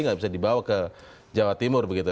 nggak bisa dibawa ke jawa timur begitu